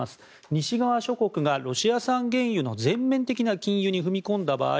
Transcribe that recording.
西側諸国がロシア産原油の全面的な禁輸に踏み込んだ場合